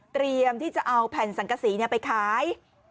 เตรียมที่จะเอาแผ่นสังกษีไปขาย